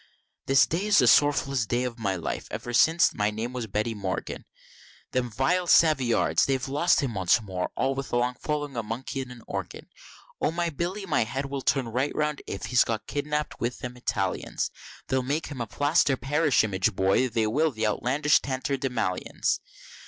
This day is the sorrowfullest day of my life, ever since my name was Betty Morgan, Them vile Savoyards! they lost him once before all along of following a Monkey and an Organ: O my Billy my head will turn right round if he's got kiddynapp'd with them Italians, They'll make him a plaster parish image boy, they will, the outlandish tatterdemallions.